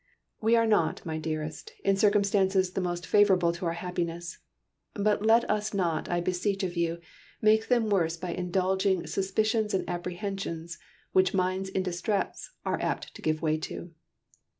"We are not, my dearest, in circumstances the most favorable to our happiness; but let us not, I beseech of you, make them worse by indulging suspicions and apprehensions which minds in distress are apt to give way to.